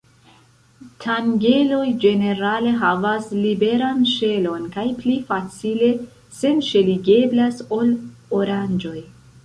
Tangeloj ĝenerale havas liberan ŝelon kaj pli facile senŝeligeblas ol oranĝoj.